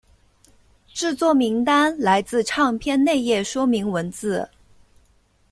制作名单来自唱片内页说明文字。